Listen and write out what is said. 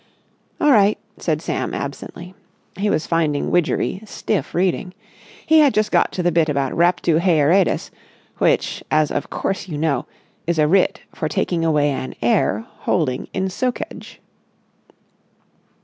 "All right," said Sam absently. He was finding Widgery stiff reading. He had just got to the bit about Raptu Haeredis, which—as of course you know, is a writ for taking away an heir holding in socage.